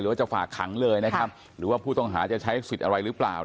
ว่าจะฝากขังเลยนะครับหรือว่าผู้ต้องหาจะใช้สิทธิ์อะไรหรือเปล่า